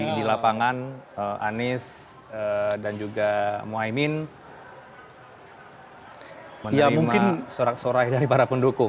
nampaknya cukup ramai ya bang ray di lapangan anies dan juga mohaimin menerima sorak sorak dari para pendukung